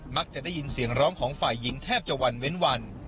จะได้ยินเสียงร้องของฝ่ายหญิงแทบจะวันเว้นวัน